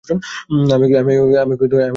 আমি ওকে এখানে রেখে যাব না।